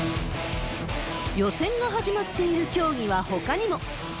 予選が始まっている競技はほかにも。